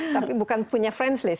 tapi bukan punya friends list